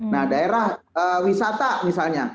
nah daerah wisata misalnya